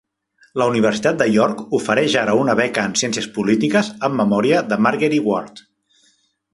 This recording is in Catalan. La universitat de York ofereix ara una beca en ciències polítiques en memòria de Margery Ward.